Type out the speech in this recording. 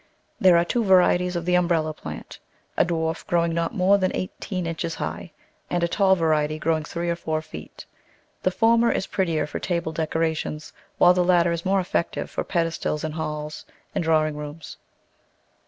There are two varieties of the Umbrella plant — a dwarf, growing not more than eighteen inches high, and a tall variety growing three or four feet; the former is prettier for table decora tions, while the latter is more effective for pedestals in halls and drawing rooms.